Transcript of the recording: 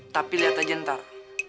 tapi lihat aja ntar